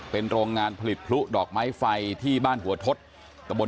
เป็นโรงงานผลิตพลุดอกไม้ไฟที่บ้านหัวทศตะบน